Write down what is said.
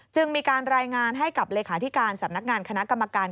จึงมีการรายงานให้กับเลขาธิการสำนักงานคณะกรรมการ